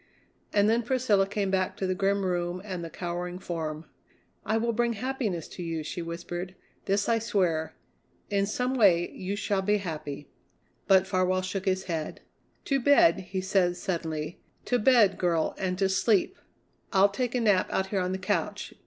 And then Priscilla came back to the grim room and the cowering form. "I will bring happiness to you," she whispered; "this I swear. In some way you shall be happy." But Farwell shook his head. "To bed," he said suddenly; "to bed, girl, and to sleep. I'll take a nap out here on the couch.